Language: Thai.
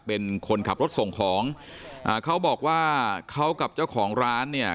เป็นคนขับรถส่งของอ่าเขาบอกว่าเขากับเจ้าของร้านเนี่ย